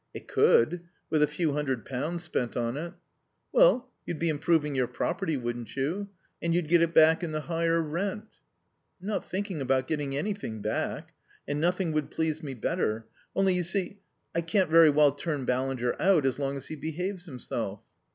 "It could. With a few hundred pounds spent on it." "Well, you'd be improving your property, wouldn't you? And you'd get it back in the higher rent." "I'm not thinking about getting anything back. And nothing would please me better. Only, you see, I can't very well turn Ballinger out as long as he behaves himself."